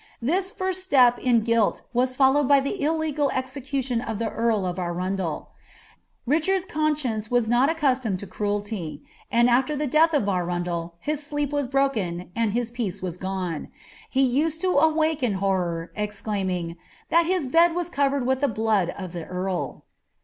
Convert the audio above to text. This lin<t : ill was followed by the illegal execution of the earl of Arundel, 'ouscience was not accustomed lo cruelty ; and after the deaiii _; _L. I'll I his sleep was broken and his pence was gone. He used tn a«t ulb lii horror, exclaiming, ■' that his bed was covered with tlie blood _ of the enrl."